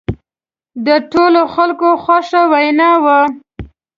د ټولو خلکو خوښه وینا وه.